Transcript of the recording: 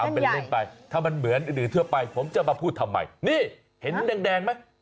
เป็นเล่นไปถ้ามันเหมือนอื่นทั่วไปผมจะมาพูดทำไมนี่เห็นแดงไหม